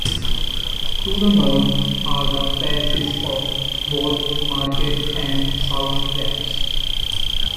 To the north are the parishes of Thorpe Market and Southrepps.